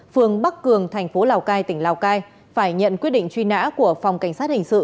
phường bắc cường thành phố lào cai tỉnh lào cai phải nhận quyết định truy nã của phòng cảnh sát hình sự